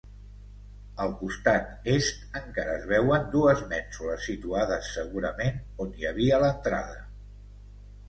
Al costat est encara es veuen dues mènsules situades segurament on hi havia l'entrada.